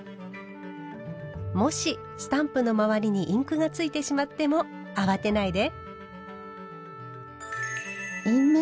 もしスタンプの周りにインクがついてしまっても慌てないで。